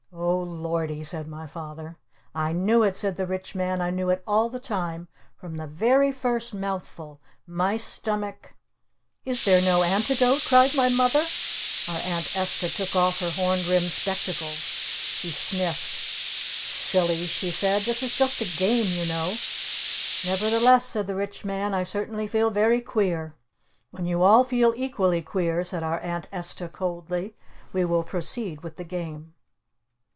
"Oh Lordy!" said my Father. "I knew it!" said the Rich Man. "I knew it all the time! From the very first mouthful my stomach " "Is there no antidote?" cried my Mother. Our Aunt Esta took off her horn rimmed spectacles. She sniffed. "Sillies!" she said. "This is just a Game, you know!" "Nevertheless," said the Rich Man, "I certainly feel very queer." "When you all feel equally queer," said our Aunt Esta coldly, "we will proceed with the Game."